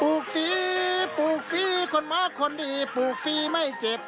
ลูกฟรีปลูกฟรีคนม้าคนดีปลูกฟรีไม่เจ็บ